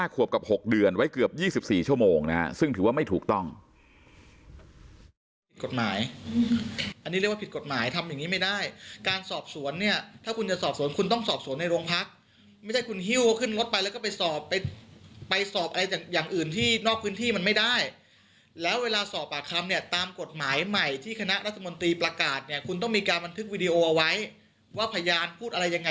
๕ขวบกับ๖เดือนไว้เกือบ๒๔ชั่วโมงซึ่งถือว่าไม่ถูกต้อง